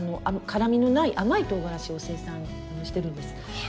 辛みのない甘いとうがらしを生産してるんです。